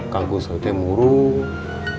kau mau seumur hidup